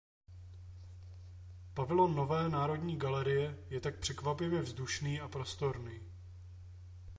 Pavilon Nové národní galerie je tak překvapivě vzdušný a prostorný.